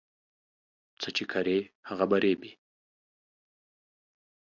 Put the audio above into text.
څه چې کرې هغه به ریبې